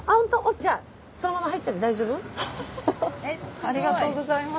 ありがとうございます。